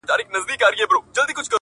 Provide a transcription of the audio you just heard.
ستا د مړو سترګو کاته زما درمان سي,